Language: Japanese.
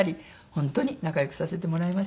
本当に仲良くさせてもらいました。